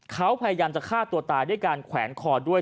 เขาพยายามจะฆ่าตัวตายด้วยการแขวนคอด้วย